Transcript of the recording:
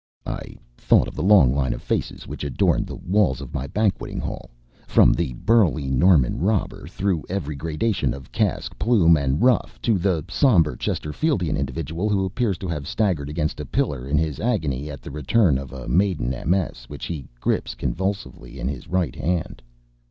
I thought of the long line of faces which adorned the walls of my banqueting hall, from the burly Norman robber, through every gradation of casque, plume, and ruff, to the sombre Chesterfieldian individual who appears to have staggered against a pillar in his agony at the return of a maiden MS. which he grips convulsively in his right hand.